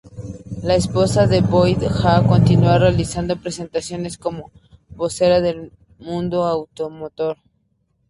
La esposa de Boyd, Jo, continúa realizando presentaciones como vocera del mundo automotor.